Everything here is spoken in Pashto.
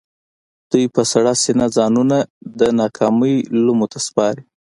دوی په سړه سينه ځانونه د ناکامۍ لومو ته سپاري.